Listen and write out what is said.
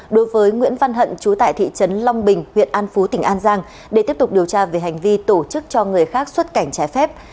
đối với nguyễn văn hận trú tại thị trấn long bình huyện an phú tỉnh an giang để tiếp tục điều tra về hành vi tổ chức cho người khác xuất cảnh trái phép